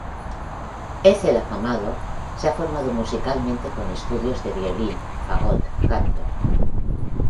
Ethel Afamado se ha formado musicalmente con estudios de violín, fagot, canto.